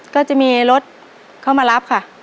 ก็จะมีรถเข้ามารับค่ะ